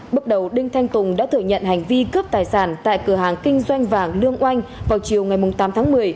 bước đầu đinh thanh tùng đã thừa nhận hành vi cướp tài sản tại cửa hàng kinh doanh vàng lương oanh vào chiều ngày tám tháng một mươi